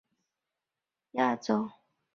巨型羽翅鲎则发现于维吉尼亚州。